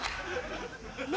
何？